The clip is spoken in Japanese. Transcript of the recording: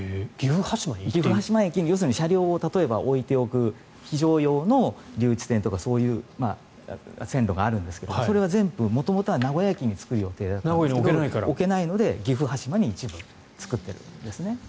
岐阜羽島駅に要するに車両を置いておく非常用の留置線とかそういう線路があるんですけどそれは全部、元々は名古屋駅に作る予定だったんですが名古屋に置けないので岐阜羽島に一部、作っているんですね。